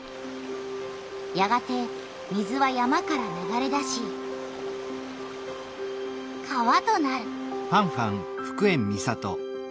やがて水は山から流れ出し川となる。